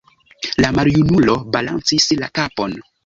La maljunulo balancis la kapon.